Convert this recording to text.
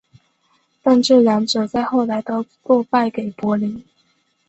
但这两者在后来都落败给柏林。